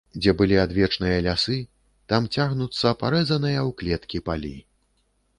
Дзе былі адвечныя лясы, там цягнуцца парэзаныя ў клеткі палі.